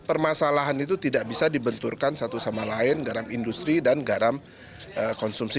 permasalahan itu tidak bisa dibenturkan satu sama lain garam industri dan garam konsumsi